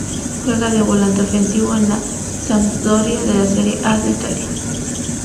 Juega de volante ofensivo en la Sampdoria de la Serie A de Italia.